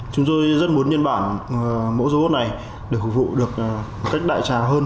chúng tôi rất muốn nhân bản mẫu robot này được phục vụ được cách đại trà hơn